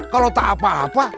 kalau tak apa apa